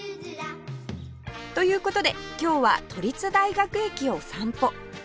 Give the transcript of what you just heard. という事で今日は都立大学駅を散歩